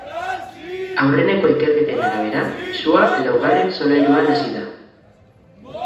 Aurreneko ikerketen arabera, sua laugarren solairuan hasi da.